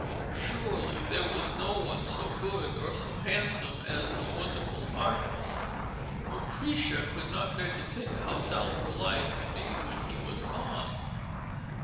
Surely there was no one so good or so handsome as this wonderful artist. Lucrezia could not bear to think how dull her life would be when he was gone.